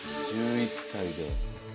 １１歳で。